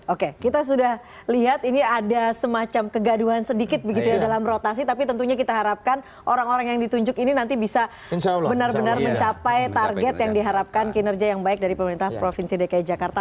oke kita sudah lihat ini ada semacam kegaduhan sedikit begitu ya dalam rotasi tapi tentunya kita harapkan orang orang yang ditunjuk ini nanti bisa benar benar mencapai target yang diharapkan kinerja yang baik dari pemerintah provinsi dki jakarta